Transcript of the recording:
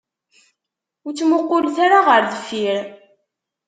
Ur ttmuqqulet ara ɣer deffir.